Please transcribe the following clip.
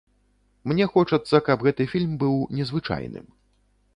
Мне хочацца, каб гэты фільм быў незвычайным.